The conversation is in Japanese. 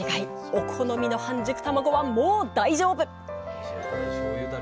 お好みの半熟たまごはもう大丈夫！